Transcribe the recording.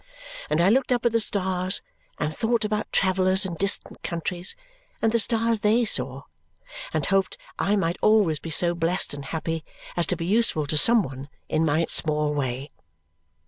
And I looked up at the stars, and thought about travellers in distant countries and the stars THEY saw, and hoped I might always be so blest and happy as to be useful to some one in my small way.